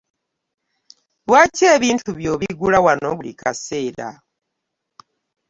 Lwaki ebintu by'obiggula wano buli kaseera?